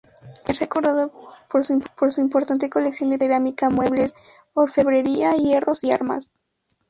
Es recordado por su importante colección de pintura, cerámica, muebles, orfebrería, hierros y armas.